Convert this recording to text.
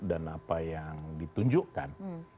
dan apa yang ditunjukkan